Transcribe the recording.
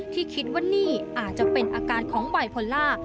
ที่คิดว่านี่อาจจะเป็นอาการของไบโพล่า